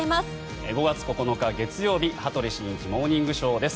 ５月９日、月曜日「羽鳥慎一モーニングショー」。